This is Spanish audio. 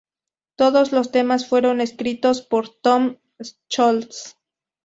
Todos los temas fueron escritos por Tom Scholz.